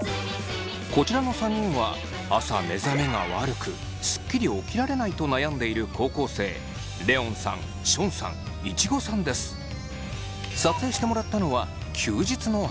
こちらの３人は朝目覚めが悪くスッキリ起きられないと悩んでいる高校生撮影してもらったのは休日の朝。